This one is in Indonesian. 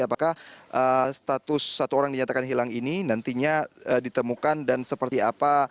apakah status satu orang dinyatakan hilang ini nantinya ditemukan dan seperti apa